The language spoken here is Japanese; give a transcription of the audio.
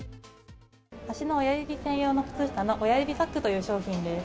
足の親指専用の靴下の親指サックという商品です。